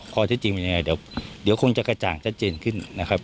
ข้อที่จริงว่าไงเดี๋ยวคงจะกระจ่างจัดเจนขึ้นนะครับ